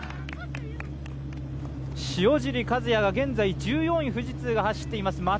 塩尻和也が現在１４位、富士通が走っています。